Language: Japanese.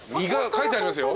書いてありますよ。